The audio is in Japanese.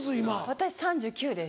私３９です。